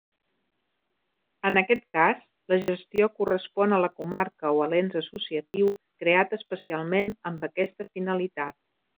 En aquest cas, la gestió correspon a la comarca o a l'ens associatiu creat especialment amb aquesta finalitat.